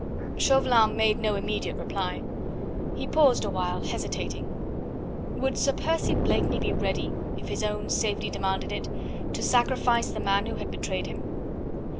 Chauvelin made no immediate reply. He paused awhile, hesitating. Would Sir Percy Blakeney be ready if his own safety demanded it to sacrifice the man who had betrayed him?